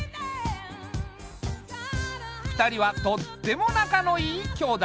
２人はとってもなかのいい兄妹。